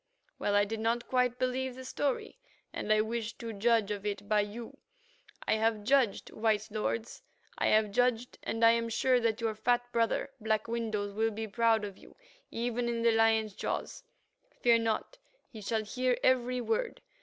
"Well I did not quite believe the story, and I wished to judge of it by you. I have judged, white lords, I have judged, and I am sure that your fat brother, Black Windows, will be proud of you even in the lion's jaws. Fear not; he shall hear every word.